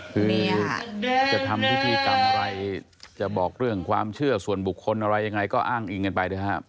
คือจะทำพิธีกรรมอะไรจะบอกเรื่องความเชื่อส่วนบุคคลอะไรยังไงก็อ้างอิงกันไปนะครับ